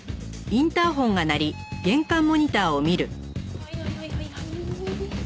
はいはいはいはいはい。